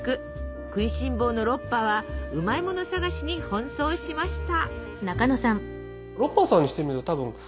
食いしん坊のロッパはうまいもの探しに奔走しました。